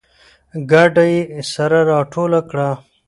کډه یې سره راټوله کړه